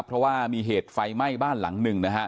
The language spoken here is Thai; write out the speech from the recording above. เพราะว่ามีเหตุไฟไหม้บ้านหลังหนึ่งนะฮะ